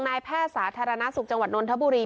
นายแพทย์สาธารณสุขจังหวัดนนทบุรี